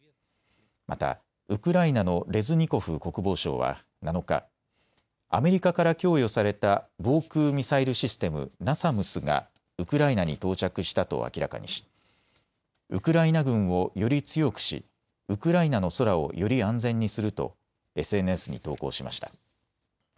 またウクライナのレズニコフ国防相は７日、アメリカから供与された防空ミサイルシステム、ナサムスがウクライナに到着したと明らかにし、ウクライナ軍を、より強くしウクライナの空を、より安全にするとＳＮＳに投稿しました。